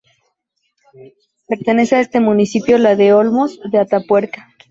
Pertenece a este municipio la de Olmos de Atapuerca.